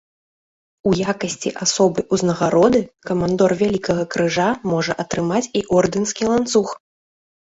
У якасці асобай узнагароды камандор вялікага крыжа можа атрымаць і ордэнскі ланцуг.